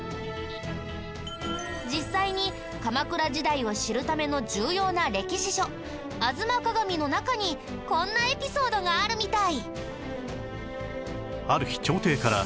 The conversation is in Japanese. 実際に鎌倉時代を知るための重要な歴史書『吾妻鏡』の中にこんなエピソードがあるみたい。